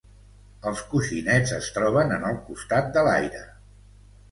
Els coixinets es troben en el costat de l'aire.